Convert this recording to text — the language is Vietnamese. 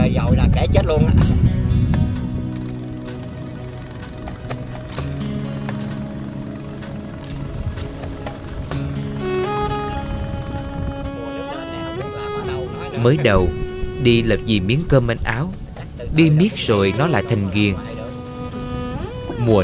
dội là kẻ chết luôn á mới đầu đi làm gì miếng cơm ánh áo đi miếng rồi nó lại thành ghiền mùa